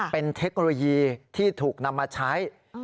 เป็นเทคโนโลยีที่ถูกนำมาใช้